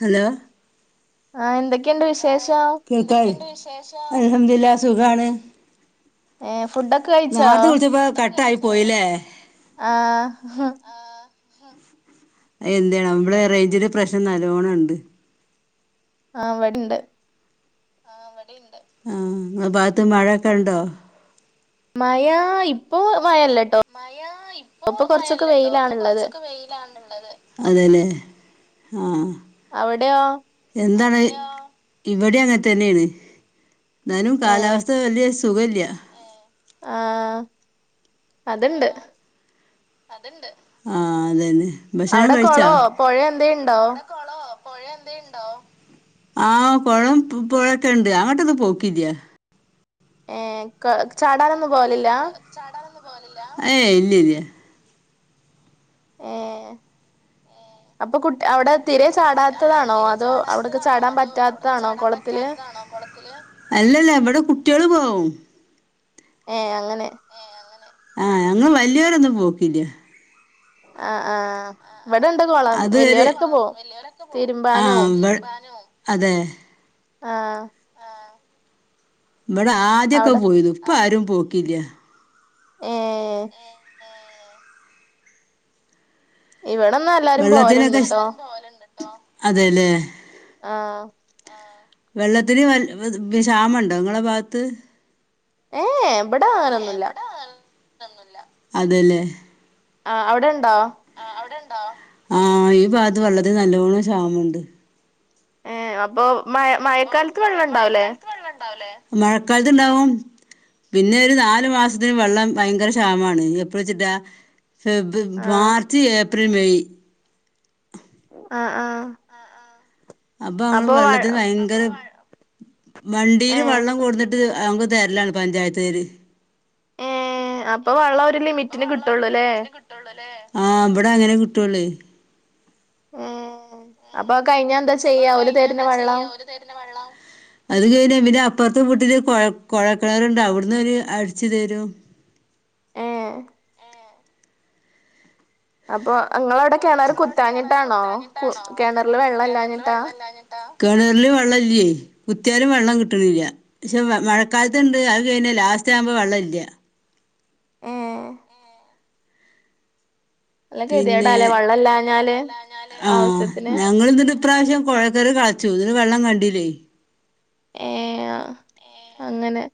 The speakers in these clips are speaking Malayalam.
ഹലോ ആഹ് എന്ത ആ കേൾക്കായ അഹദില്ല സുഖാണ് ഏർ ഫുഡൊക്കെ കയിച്ചോ നേർത്തെ വിളിച്ചപ്പോ കട്ടായി പോയില്ലേ ആ എന്താണ് നമ്മള റേഞ്ചില് പ്രശ്നം നല്ലോണം ഒ ണ്ട് ആ വണ്ട് അവിടെ ഇണ്ട് ആ നി ഭാഗത്ത് മഴൊക്കെ ഇണ്ടോ മഴ ഇപ്പൊ വയല്ല മഴ ഇപ്പൊ മയല്ലേട്ടോ ഇപ്പോ വെയിലാണുള്ളത് കൊറച്ചൊക്കെ വെയിലാണുള്ളത് അതന്നെ ആ അവിടെയോ എന്താണ് ടെയോ ഇവിടെ അങ്ങനെ തന്നെയാണ് എന്നാനും കാലാവസ്ഥ വലിയ സുഖല്ല്യ ആ ആ അത്ണ്ട് അത്ണ്ട് ആ അതന്നെ ഭക്ഷണം അവിടെ കഴിച്ചാ കോളോ പുഴ എന്തേ ഇണ്ടോ പുഴ എന്തെ ഇണ്ടോ ആ പുഴം പുഴൊക്കെണ്ട് അങ്ങോട്ടോന്ന് പോക്കില്ല ഏ കോ ചാടാനൊന്നും പോവലില്ല കോ ചാടാനൊന്നും പോലില്ല ഏയ് ഇല്ല ഇല്ല ഏ അപ്പൊ കുട്ട അവിടെ തിരെ ചാടാ ത താണോ അതോ അവിടക്കെ ചാടാൻ പറ്റാത്തതാണോ കുളത്തില്? ത്തില് അല്ലല്ല ഇവിടെ കുട്ടികള് പോകും. ഏ അങ്ങനെ. ആ ഞങ്ങള് വലിയവരൊന്നും പോക്കില്ല. ആഹ് ആഹ്. ഇവിടെണ്ട് കുളം അത് ഒരു വെല്യൊരൊക്കെ പോം ആ തിരുമ്പാനും ഇവ അതെ. ആഹ്. ഇവിടെ ആദ്യൊക്കെ അവിടെ പോയിന്നു ഇപ്പാരും പോക്കില്ല. ഏ. ഇവിടന്നാ എല്ലാരും വെള്ളത്തിനൊക്കെ പോവലുണ്ട്ട്ടോ. അതെല്ലേ. ആ. വെള്ളത്തിന് വ ക്ഷാമം ഉണ്ടോ ഇങ്ങളെ ഭാഗത്ത്? ഏ യേ ഇവടെ അങ്ങനൊന്നുല്ല. അതെല്ലേ. ആ അവിടെ ഉണ്ടോ? ആ ഈ ഭാഗത്ത് വളരെ നല്ലോണം ക്ഷാമുണ്ട്. ഏ അപ്പൊ? മഴ അപ്പോ മഴക്കാലത്ത് മഴ, വെള്ളം ഉണ്ടാവൂലേ മഴക്കാലത്ത് വെള്ളണ്ടാവൂലേ? മഴക്കാലത്തുണ്ടാവും. പിന്നെ ഒരു നാലു മാസത്തിന് വെള്ളം ഭയങ്കര ക്ഷാമാണ്. എപ്പഴ വെച്ചിട്ടാ? ഫെബ് ആഹ് മാർച്ച് ഏ പ്രിൽ, മെയ്. ആ ആ. അപ്പൊ അങ്ങള് വെള്ളത്തിന് ഭയങ്കര വണ്ടീൽ ഏ വെള്ളം കൊണ്ടന്നിട്ട് അ തരലാണ് പഞ്ചായത്ത്കാര് ഏഹ് അപ്പൊ വെള്ളം ഒരു അപ്പൊ ലിമിറ്റിന് വെള്ളം ഒരു കിട്ടുള്ളൂല്ലേ ലിമിറ്റ് കിട്ടൂല്ലേ ആഹ് ഇവിടെ അങ്ങനെ കിട്ടുവുള്ളു. ഉം അപ്പൊ കഴിഞ്ഞ എന്താ ചെയ്യാ ഓര് തരണ വെള്ളം? അത് കഴിഞ്ഞാ പിന്നെ അപ്പുറത്തെ വീട്ടില് കുഴൽ കിണറുണ്ട് അവിടുന്ന് അവര് അടിച്ചു തരും. ഏഹ് അപ്പൊ നിങ്ങള് അവിടെ കിണർ കുത്താഞ്ഞിട്ടാണോ കു കിണറിൽ വെള്ളം ഇല്ലാഞ്ഞിട്ടാ കിണറിലും വെള്ളം ഇല്ലേ കുത്തിയാലും വെള്ളം കിട്ടണില്ല പക്ഷെ മഴക്കാലത്തുണ്ട് അത് കഴിഞ്ഞാ ലാസ്റ്റ് ആവുമ്പോൾ വെള്ള ഇല്ല. ഏഹ് പിന്നെ ഗതികേടാല്ലേ വെള്ളം ഗതികേട് ആണല്ലേ ഇല്ലാഞ്ഞാല് വെള്ളംല്ലഞ്ഞാല് ആഹ് ആവശ്യത്തിന് ഞങ്ങൾ എന്തട്ട് ഈ പ്രാവശ്യം കുഴൽ കിണറു കളചൂ അത് വെള്ളം കണ്ടില്ലേ ഏഹ് അഹ് അങ്ങനെ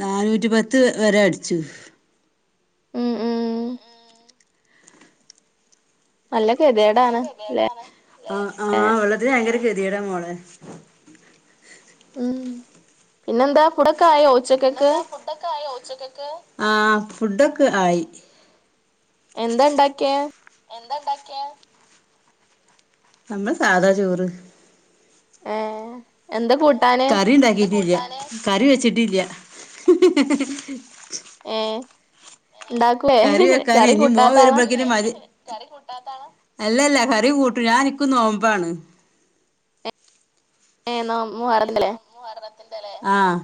നാനൂറ്റി പത്ത് വരെ അടച്ചു ഉം ഉം അല്ല തെതടാണ് ആ ആ ഉള്ളത് ഭയങ്കര തെഡടാ മോളെ ഉം പിന്നെന്താ ഫുടക്കായോ പിന്നെന്താ ഫുഡൊക്കെ ആയോ ഉച്ചക്ക്ക് ആ ഫുഡൊക്കെ ആയി എന്താ ഉണ്ടാക്കിയെ എന്താ ഉണ്ടാക്കിയെ നമ്മള് സാധാ ചോറ് ഏഹ് ഏഹ് കറിണ്ടാക്കിട്ടില്ല കറി വെച്ചിട്ടില്ല ഏ ഉണ്ടാക്കുളെ കറി കറി കൂട്ടാത്താള കറി കൂട്ടാത്താള അല്ലല്ല കറി കൂട്ടും ഞാൻക്കു നോമ്പാണ് ഏ നോമ്പ് മൊഹറല്ലേ മോഹറതിന്റെലെ അഹ്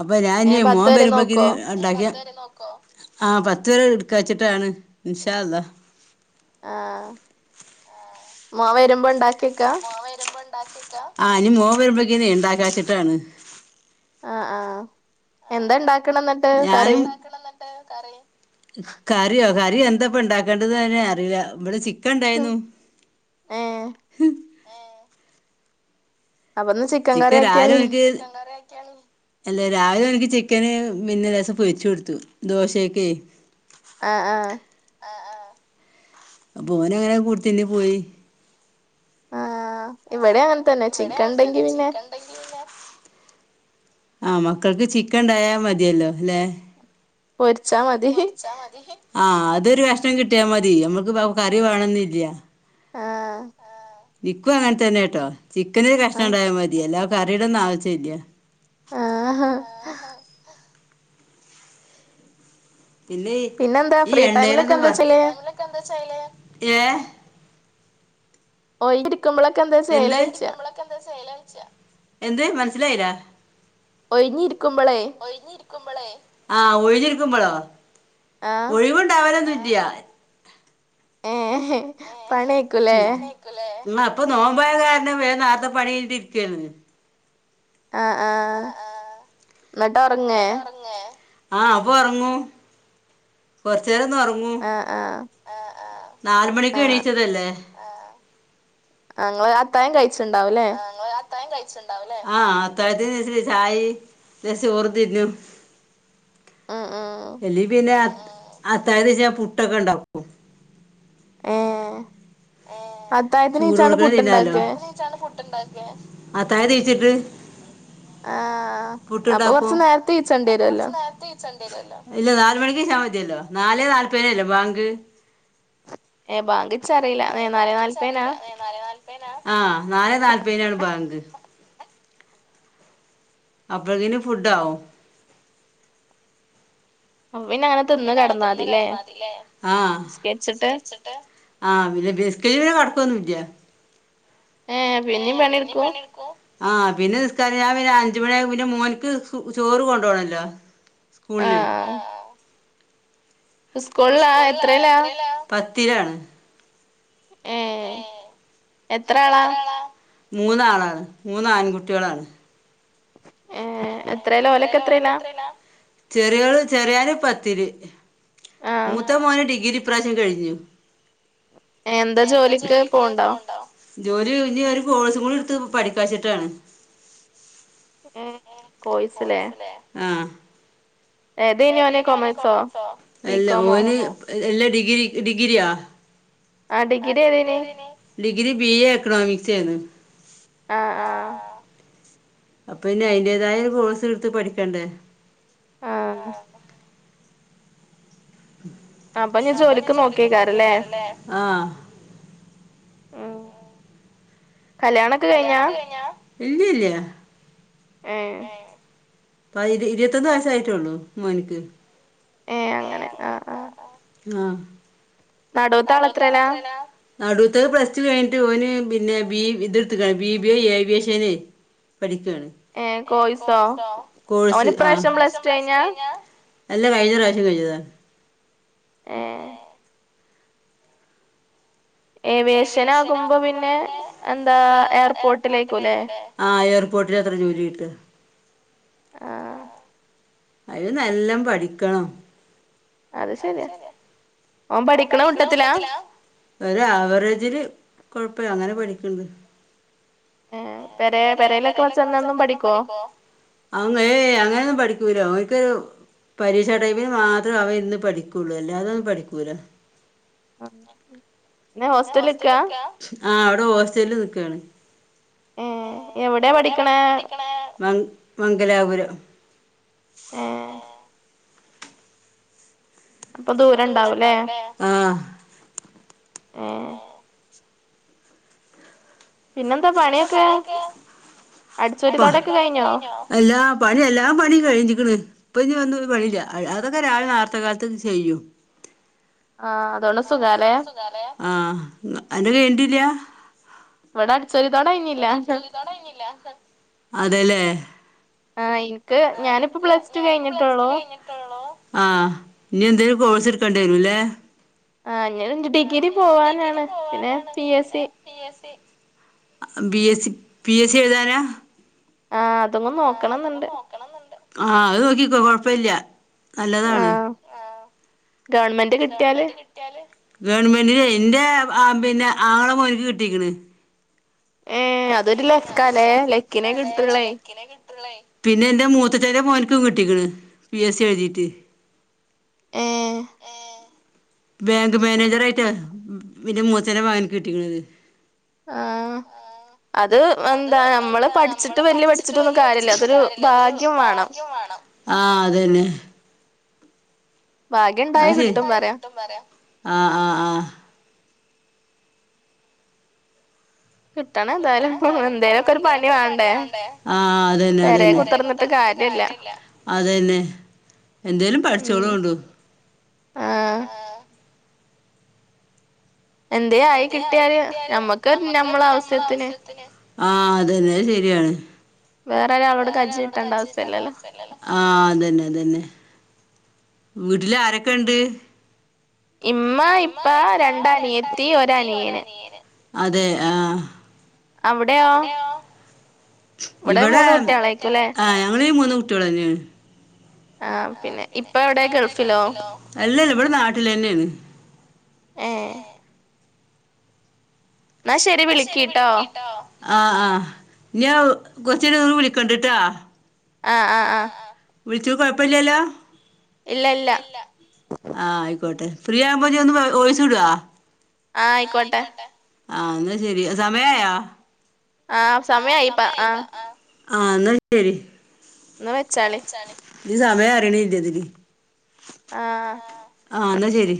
അപ്പൊ ഞാൻ ഏ ഇനി പത്ത് മോൻ വരെ നോക്കോ വേരുമ്പോഴക്കിന് ഉണ്ടാക്കിയ ആ പത്ത് പേരെ എടുക്ക വച്ചിട്ടാണ് ഇന്ശാല്ലാഹ് അഹ് മോ വരുമ്പോ ഉണ്ടാക്ക മോ വരുമ്പോ ആ് ഇനി മോ വരുമ്പക്കന്ന ഉണ്ടാക്കാച്ചിട്ടാണ് ആ ആ എന്തണ്ട ഞാനും ണ്ടക്കണം എന്നിട്ട് കറി കറിയോ ക ഇനി എന്ത ഇപ്പൊ ഉണ്ടാക്കേണ്ടത് അറിയ ഇവിടെ ചി ഇക്ക ഉം ഇണ്ടായിരുന്നു ഏ അപ്പൊന്ന് ചിക്കൻ കറി ആക്കിയാണി അല്ലെ രാവിലെ എനിക്ക് ചിക്കന് പിനെ ലെഷോ പൊരിച്ചോടത്തൂ ദോശയൊക്കെ ആ ആ പോന അങ്ങനെ കൂടുത്തിന് പോയി ആ ഈ വടെയാ അങ്ങ തനെ അങ്ങനെ തന്നെ ചിക്കൻണ്ടെങ്കി പിന്നെ ആ മക്കൾക്ക് ചിക്കൻണ്ടായാ മതിയല്ലോ ല്ലെ പൊരിച്ചാ മതി ആഹ് അതൊരു കഷ്ണം കിട്ടിയാ മതി നമ്മുക്ക് കറി വേണംന്നില്ല ആഹ് ഇപ്പങ്ങന തന്നെ ട്ടോ ചിക്കന് ഒരു ആ കഷ്ണം ഉണ്ടായാ മതിയല്ല കറീട ഒന്നും ആവച ഇല്ല ആഹ് ആ പിന്നെ പിന്നെന്താ ഈ ഫ്രീ ടൈമിലൊക്കെ എണ്ണയിലൊന്നും എന്താ വർ ചെയ്യല് ഏ ഓ നക്കുമ്പളൊക്ക എന്താ ചെയ്യല എന്ത് ച്ചാ എന്ത് മനസിലായില ഒഴിഞ്ഞി രിക്കുമ്പളെ ആഹ് ഒഴിഞ്ഞിരിക്കുമ്പോളോ ആഹ് ഒഴിവുണ്ടാവലെന്നു ദ്യയന് പണേക്കൂലേ മ്മ പ്പ നോമ്പോയ കാരണംവേ നേരത്തെ പണി കഴിഞ്ഞിരിക്കാ ണ് ആഹ് ആഹ് എന്നിട്ട് ഉറങ്ങേ ആഹ് അപ്പ ഉറങ്ങൂ കൊറ റ്റേന്നൊർങ്ങു ആഹ് ആഹ് ആ ആഹ് നാല് മണിക്ക് എണീച്ചതല്ലേ ങൾ അത്തായം കഴി ച്ച് ണ്ടാവുംല്ലേ ത്തായം കയ്ച്ച്ണ്ടാവൂല്ലേ? ആഹ് അത്തായത്തിനിച്ചിരി ചായേം ലേശ് ചോറും തിന്നു ഉം ഉം എലി പിന്നെ അത്താഴത്തിന്നിച്ചാഞാൻ പുട്ടൊക്കെ ഉണ്ടാക്കും ഏഹ് അത്തായത്തിന് നീച്ചാണ്ട് ചൂടോടൊക്കെ തിന്നാലോ പുട്ട്ണ്ടാക്കേ അത്തായ തീച്ചിട്ട് ആഹ് അപ്പ കൊറച്ച് നേരത്തെനീച്ചണ്ട്യരൊല്ലേ ഇല്ല നാല് മണിക്കീച്ചാ മതല്ലോ നാലെ ന്നാല്‌പയ്നല്ലേബാങ്ക് ഏ ബാങ്ക് ഏ ബാങ്കിച്ചറീല്ല ഏ നാലേ നാല്‌പയ്നാ ആഹ് ന്നാലേ നാൽപ്പയിനാണ് ബാങ്ക് അപ്പത്തിന് ഫുഡാവും അപ്പൊ പിന്നെ അങ്ങനെ തിന്ന് പിന്നെ അങ്ങനെ തിന്ന് കെടന്നാതില്ലേ കടന്നാതില്ലേ നിസ്കരിച്ചിട്ട് നിസ്കാരിച്ചിട്ട്. [unintelligible] ഏഹ് പിന്നിം പണിട്ക്കും ആ പിന്നെ നിസ്‌ക പിന്ന അയ്‌ന് അഞ്ച് മണി ആയ പിന്നെ മോൻക്ക് ചോറ് കൊണ്ടോണല്ലോ സ്കൂൾല് ആഹ് സ്കൂളിലാ എത്രേലാ പത്തിലാണ് ഏ എത്രാളാ മൂന്നാളാണ് മൂന്ന് ആൻകുട്ടികളാണ് ഏ എത്രേലാ ഓലൊക്കെ എത്രല ഓലക്കെ എത്രേലാ എത്രല ചെറിയോള് ചെറിയോന് പത് ത്തിരി ആഹ് മൂത്തമോൻ ഡിഗ്രി ഇപ്രാവശ്യം കഴിഞ്ഞ് എ എന്താ ജോലിക്ക് പോവുണ്ടോ ജോലി നി ഒരു കോഴ്സും കൂടി എടുത്ത് പഠിക്കാച്ചിട്ടാണ് ഏ കോഴ്സ്‌ലേ ആഹ് അല്ല ബികോമോ ഓന് എല്ല ഡിഗ്രി ഡിഗ്രിയാ ആ ഡിഗ്രി ഏതയ്ഞ്ഞി ഡിഗ്രി ബി എ എകണോമിക്സെന് ആ ആ അപ്പൊ പിന്നെ അയിന്റേതായ ഒരു കോഴ്സ് എടുത്ത് പഠിക്കണ്ടേ ആഹ് അപ്പൊ ഞ്ഞി ജോലിക്ക് നോക്കെക്കാരം ല്ലേ ഉം കല്യാണൊക്കെ കഴിഞ്ഞാ ഇല്ലില്ല ഏഹ് പ്പൊ ഇരു ഇരുവതൊന്ന് വയസ്സ് ആയിറ്റൊള്ളൂ മോൻക്ക് ഏഹ് ഏ അങ്ങനെ ആഹ് ആ ആ ആഹ് നടുത്താളെത്രേലാ നടുത്തത് പ്ലസ്ടു കഴിഞ്ഞിട്ട് ഓന് പിന്നെ ബി ഇതടുത്ക്ക ബി ബി യ് ഏവിയേഷന് പഠിക്ക ഏ കോഴ്സോ കോഴ്സ് ആ ഓന് ഇപ്രാവശ്യം പ്ലസ് ടു പ്ലസ്റ്റു കഴിഞ്ഞാ കഴിഞ്ഞ അല്ലാ കഴിഞ്ഞ പ്രാവശ്യം കഴിഞ്ഞ താ ഏ ഏവിയേഷൻ ആകുമ്പോ ഏവിയേഷനാകുമ്പം പിന്നെ എന്താ എയർപോർട്ടിലേക്കുല്ലേ. ആഹ് എയർ പോട്ടിലത്ര ജോലികിട്ടാ ആഹ് അയ്ന് നല്ലം പഠിക്കണം അത് ശരിയാ ഓൻ പഠിക്കണ കൂട്ടത്തിലാ ഒരാവറേജില് കൊഴപ്പയ്യ അങ്ങനെ പഠിക്കണ്ട് ഏഹ് പെരെ പെരേലൊക്കെ പരയിലൊക്കെ വച്ച ചെന്നൊന്നും ഒന്നും പഠിക്കോ അങ്ങ അങ്ങനെൊന്നും പഠിക്കൂല്ലോ ഒക്ക ഒരു പരീക്ഷാ ടൈമിന് മാത്രം അവ ഇന്ന് പഠിക്കുള്ളു അല്ലേ അതൊും പഠിക്കൂല ആ എന്നെ ഹോസ്റ്റല നിക്കാ ആഹ അവിടെ ഹോസ്റ്റലില് നിിക്കുവയാണ് ഏഹ് എവിടെയാ എവിടെ പഠിക്കണേ പഠിക്ക്ണത് മംഗലാപുരം ഏഹ് അപ്പൊ അ ദൂരം ദൂര ഉണ്ടാവൂലേ ഇണ്ടാവലേ ഏഹ് ആഹ് പിനെന്താ പണിയൊക്കെ അടിച്ചോരി അടിച്ചു വാരി തൊടയൊക്കെ കഴിഞ്ഞോ കയിഞ്ഞോഎല്ലാ പണിയ എല്ലാം പണി കഴിഞ്ഞിക്കണ് ഇപ്പൊ ഇനി പണില്ല അതൊക്കെ രാവിലെ നേർത്തെ കാലത്തെ ചെയ്യും ആഹ് അതോണ്ട് സുഖാല്ലേ അതോണ്ട് സുഖാലേആഹ് അന്റെ ത് കയിഞ്ഞിട്ടില്ല ഇവിടെ അടിച്ചോരി തൊട കഴിഞ്ഞില്ല അതെല്ലേ ആയിൻ ആഹ് ഇനിക്ക് ഞാനിപ്പോ പ്ലസ് ടു കഴിഞ്ഞിട്ടുള്ളോ ആഹ് ഇനി എന്തേലും കോഴസ് എടുക്കേണ്ടി വരൂല്ലേ ആഹ് ഇനി ആ ഡിഗ്രി ൻ ഡിഗ്രി പോവാനാണ് പിന്നെ പോവാനാണ് പി എസ് പിന്നെ C P S C BS C P S C എഴുതാനാ ആഹ് അതൊന്ന് നോക്കണംന്നുണ്ട് ആഹ അത് നോക്കിക്ക കൊഴപ്പമില്ല നല്ലതാണ് ഗവണ്മെന്റ് കിട്ടിയാല് ഗവണ്മെന്റി ല്എന്റെപിന്നെ ആങ്ങളപോയിട്ട് കിട്ടീക്കണ് ഏഹ് ഏ അതൊരു അതൊരു ലക്കാലേ ല ലക്കിനെ കിട്ടുള്ളേ ലക്കിന കിട്ടുള്ളു പിന്നെ എറെ മൂത്ത ച പോ കട്ടിക്ക്ണ് പി എസ് സി എഴുതിട്ട് ഏഹ് ബാങ്ക് മാനേജർായിട്ടാ എന്റെ മൂത്തന്റെ മകന് കിട്ടിണത് ആഹ അത് എന്താ നമ്മള് പഠിച്ചിട്ട് വല്യ പഠിച്ചിട്ടൊന്നും കാര്യമില്ല അതൊരു ഭാഗ്യം വേണം ആ അതന്നെ ഭാഗ്യം ഉണ്ടായ കിട്ടും പറയാ [unintelligible] ആഹ് ആ ആ കിട്ടണം എന്തായാലും എന്തേലുഒക്കെ ഒരു പണി വേണ്ടേ പെര കുത്തിർന്നിട്ട് കാര്യല്ല ആഹ ഉം ആഹ് എന്തേ ആയി കിട്ടിയല് നമ്മക്ക് നമ്മളെ ആവശ്യത്തിന് ആഹ അതന്നെ ശരിയാണ് വേറെ കജ്ജ് ഒരാളോട് നീട്ടണ്ട കജ്ജി കിട്ടണ്ട ആവശ്യല്ലല്ലോ അവസ്ഥല്ലല്ലോ ആ് അതന്നെ അതന്നെ വീട്ടില് ആരൊക്കെ ഉണ്ട് ഇമ്മ ഇപ്പ രണ്ടനിയത്തി ഒരാനിയേന് അതെ ആ അവിടെയോ ഇവിടെ മൂന്ന് കുട്ടികളായിക്കുംല്ലേ ഞങ്ങളീ മു തുളഞ്ഞു പിന്നെ ഇപ്പ ഏടെയാ ഗൾഫിലോ അല്ലല്ല ഇവിടെ നാട്ടിലന്നെയാണ് ഏഹ് എന്നാ ശരി വിളിക്കിട്ടോ ആഹ ആഹ ഞ്ഞി ഞാ കൊറച്ചഴിഞ്ഞോന്ന് വിളിക്കണ്ടട്ടാ ആഹ് ആഹ ആഹ വിളിച്ചു കുഴപ്പല്യല്ലോ ഇല്ല ഇല്ല ആ ആയിക്കോട്ടെ ഫ്രീയാകുമ്പോ ഞ്ജി ഒന്ന് വോയിസിടുവോ ആഹ ആയിക്കോട്ടെ ആ എന്നാ ശെരി സമയായാ ആഹ് സമയയിപ്പാ ആഹ ആഹ് എന്നാ ശരി എന്നാ വെച്ചാളി ഈ സമയറിയണ് ഇന്റെതിൽ ആഅ ആഹ എന്നാ ശരി